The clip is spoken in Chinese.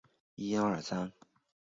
他在帕萨迪娜的理工学校读中学。